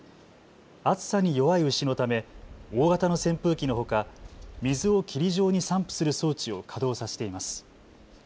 暑さに弱い牛のため大型の扇風機のほか水を霧状に散布する装置を稼働させています。